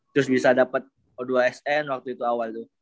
terus bisa dapet o dua sn waktu itu awal